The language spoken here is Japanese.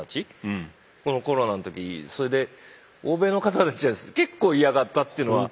それで欧米の方たちは結構嫌がったっていうのは。